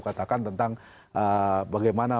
katakan tentang bagaimana